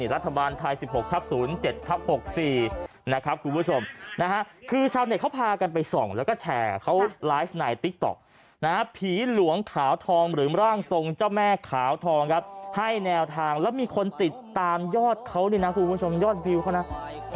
รัฐบาลไทย๑๖ทับ๐๗ทับ๖๔นะครับคุณผู้ชมนะฮะคือชาวเน็ตเขาพากันไปส่องแล้วก็แชร์เขาไลฟ์ในติ๊กต๊อกนะฮะผีหลวงขาวทองหรือร่างทรงเจ้าแม่ขาวทองครับให้แนวทางแล้วมีคนติดตามยอดเขาเนี่ยนะคุณผู้ชมยอดวิวเขานะ